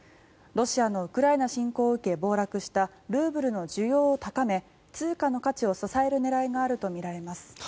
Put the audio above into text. ロシアのウクライナ侵攻を受け暴落したルーブルの需要を高め通貨の価値を支える狙いがあるとみられます。